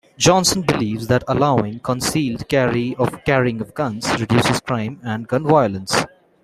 Johnson believes that allowing concealed carrying of guns reduces crime and gun violence.